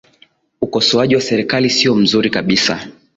ukosoaji wa serikali siyo mzuri kabisa